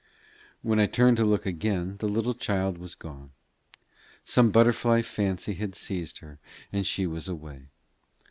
When I turned to look again, the little child was gone. Some butterfly fancy had seized her, and she was away.